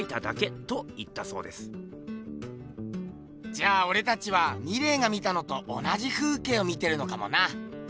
じゃあおれたちはミレーが見たのと同じ風景を見てるのかもな。